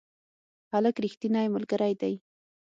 هلک رښتینی ملګری دی.